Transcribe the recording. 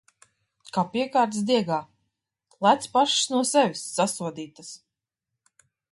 Kā piekārtas diegā... Lec pašas no sevis! Sasodītas!